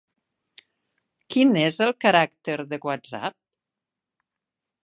Quin és el caràcter de WhatsApp?